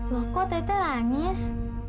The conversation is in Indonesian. loh kok teteh nangis